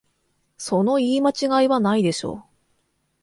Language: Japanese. その言い間違いはないでしょ